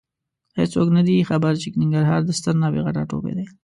هېڅوک نه دي خبر چې ننګرهار د ستر نابغه ټاټوبی دی.